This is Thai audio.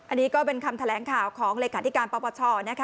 อันนี้ก็เป็นคำแถลงข่าวของเลขาธิการปปชนะคะ